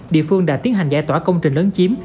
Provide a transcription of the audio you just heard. địa phương đã tiến hành giải tỏa công trình lớn chiếm